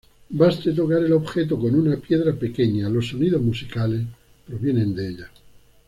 Baste tocar el objeto con una piedra pequeña, los sonidos musicales provienen de ella.